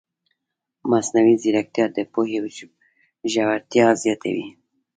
مصنوعي ځیرکتیا د پوهې ژورتیا زیاتوي.